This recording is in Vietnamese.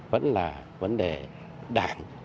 vẫn là vấn đề đảng